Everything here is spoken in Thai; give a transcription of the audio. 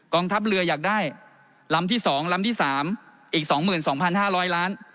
ทัพเรืออยากได้ลำที่๒ลำที่๓อีก๒๒๕๐๐ล้าน